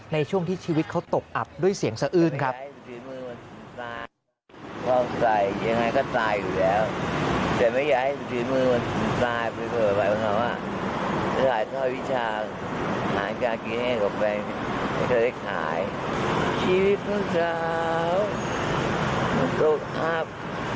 ในช่วงที่ชีวิตเขาตกอับด้วยเสียงสะอื้นครับ